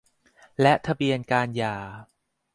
และทะเบียนการหย่า